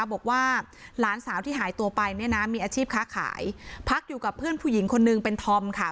บอกว่าหลานสาวที่หายตัวไปเนี่ยนะมีอาชีพค้าขายพักอยู่กับเพื่อนผู้หญิงคนนึงเป็นธอมค่ะ